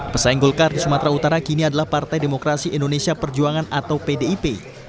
pesaing golkar di sumatera utara kini adalah partai demokrasi indonesia perjuangan atau pdip